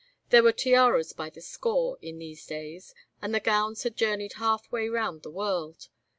There were tiaras by the score in these days, and the gowns had journeyed half way round the world.